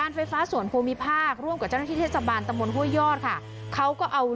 มีประชาชนในพื้นที่เขาถ่ายคลิปเอาไว้ได้ค่ะ